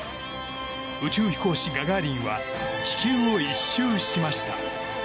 宇宙飛行士ガガーリンは地球を１周しました。